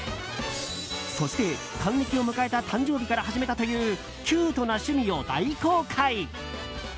そして、還暦を迎えた誕生日から始めたというキュートな趣味を大公開。